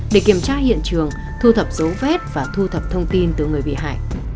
để kiểm tra hiện trường thu thập dấu vết và thu thập thông tin từ người bị hại